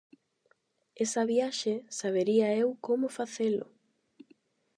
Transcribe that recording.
-Esa viaxe sabería eu como facelo!